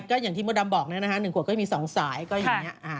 ก็อย่างที่มดดำบอกนะฮะ๑ขวดก็มี๒สายก็อย่างนี้